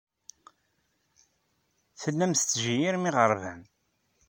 Tellam tettjeyyirem iɣerban.